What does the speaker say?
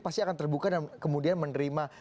pasti akan terbuka dan kemudian menerima